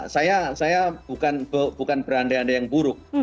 saya bukan beranda anda yang buruk